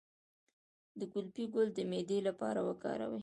د ګلپي ګل د معدې لپاره وکاروئ